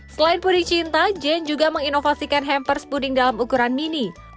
selain puding cinta jane juga menginovasikan hampers puding dalam ukuran mini